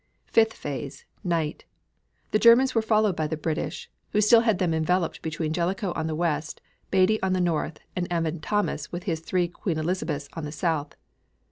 Fifth Phase, Night. The Germans were followed by the British, who still had them enveloped between Jellicoe on the west, Beatty on the north, and Evan Thomas with his three Queen Elizabeths on the south.